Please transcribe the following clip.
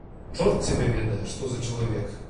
Чорт цябе ведае, што за чалавек.